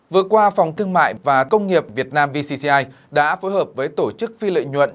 vừa qua phòng thương mại và công nghiệp việt nam vcci đã phối hợp với tổ chức phi lợi nhuận